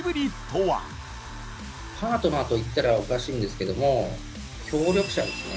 パートナーと言ったらおかしいんですけども協力者ですね。